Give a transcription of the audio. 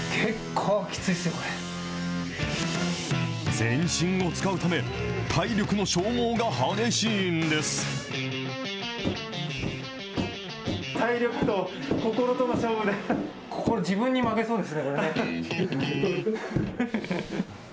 全身を使うため、体力の消耗が激しいんです。